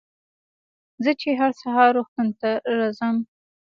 زه چې هر سهار روغتون ته رڅم.